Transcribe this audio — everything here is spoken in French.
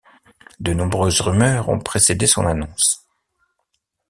De nombreuses rumeurs ont précédé son annonce.